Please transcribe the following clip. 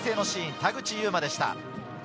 田口裕真でした。